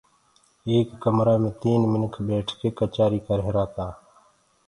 ايڪ ڪمرآ مي تين منک ٻيٺ ڪي ڪچآري ڪرريهرآ تآ